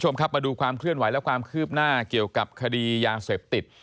คุณผู้ชมครับมาดูความเคลื่อนไหวและความคืบหน้าเกี่ยวกับคดียาเสพติด